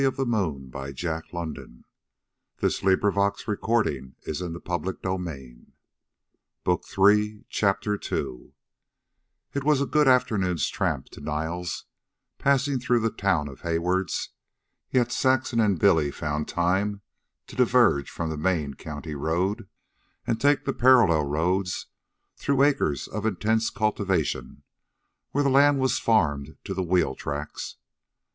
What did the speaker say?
"An' we'll collect all right, all right, somewhere down in them redwood mountains south of Monterey." CHAPTER II It was a good afternoon's tramp to Niles, passing through the town of Haywards; yet Saxon and Billy found time to diverge from the main county road and take the parallel roads through acres of intense cultivation where the land was farmed to the wheel tracks.